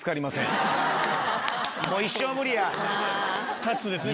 ２つですね。